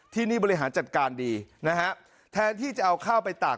ที่นี่บริหารจัดการดีนะฮะแทนที่จะเอาข้าวไปตาก